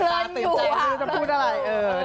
ตื่นตาตื่นใจมือจะพูดอะไร